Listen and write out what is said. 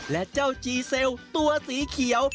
และเจ้าจีเซลตัวสีเขียว